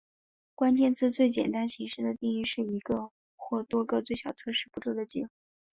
关键字最简单形式的定义是一个或多个最小测试步骤的集合。